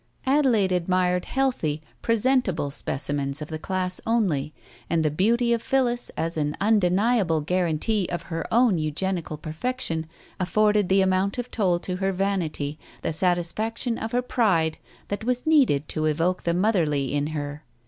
Adelaide admired healthy, presentable specimens . of the class only, and the beauty of Phillis as an un deniable guarantee of her own Eugenical perfection afforded the amount of toll to her vanity, the satisfaction of her pride that was needed to evoke the motherly in her.